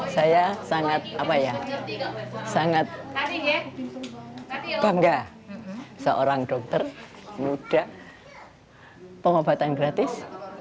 saya sangat apa ya sangat bangga seorang dokter muda pengobatan gratis